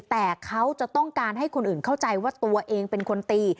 แต่เขาจะต้องการให้คนอื่นเข้าใจว่าตัวเองเป็นคนตี